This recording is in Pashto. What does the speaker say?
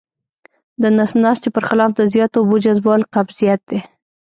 د نس ناستي پر خلاف د زیاتو اوبو جذبول قبضیت دی.